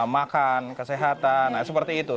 makan kesehatan nah seperti itu